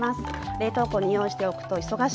冷凍庫に用意しておくと忙しい日も安心です。